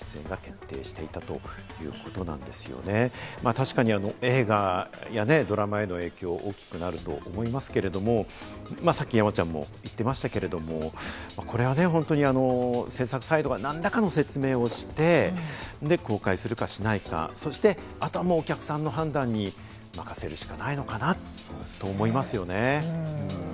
確かに映画やドラマへの影響が大きくなると思いますけれども、さっき山ちゃんも言ってましたけれども、これはね、本当に制作サイドは何らかの説明をして、公開するかしないか、そしてあとはもう、お客さんの判断に任せるしかないのかなと思いますよね。